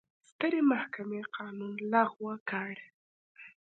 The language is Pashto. سترې محکمې قانون لغوه کړ.